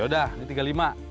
ya udah ini rp tiga puluh lima